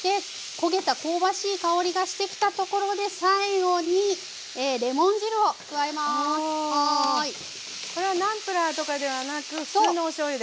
焦げた香ばしい香りがしてきたところで最後にこれはナンプラーとかではなく普通のおしょうゆで？